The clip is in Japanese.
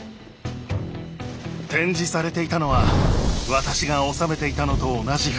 展示されていたのは私が納めていたのと同じ服。